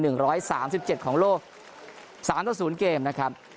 ร้อยสามสิบเจ็ดของโลกสามต่อศูนย์เกมนะครับ